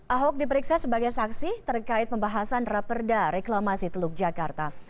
ahok diperiksa sebagai saksi terkait pembahasan raperda reklamasi teluk jakarta